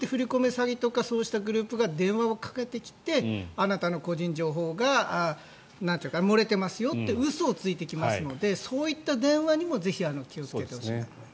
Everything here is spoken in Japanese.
詐欺とかそうしたグループが電話をかけてきてあなたの個人情報が漏れてますよって嘘をついてきますのでそういった電話にも、ぜひ気をつけていただきたいです。